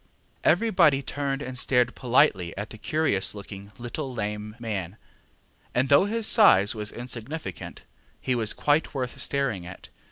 ŌĆØ Everybody turned and stared politely at the curious looking little lame man, and though his size was insignificant, he was quite worth staring at.